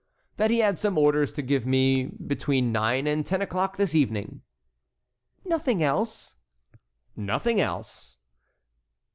"That he had some orders to give me between nine and ten o'clock this evening." "Nothing else?" "Nothing else."